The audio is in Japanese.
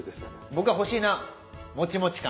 僕は欲しいのはもちもち感。